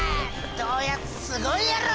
どうやすごいやろ！